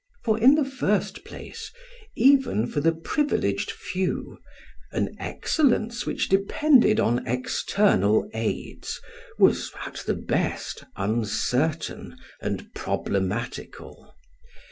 For in the first place, even for the privileged few, an excellence which depended on external aids was, at the best, uncertain and problematical.